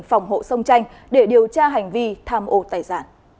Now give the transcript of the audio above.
phòng hộ sông tranh để điều tra hành vi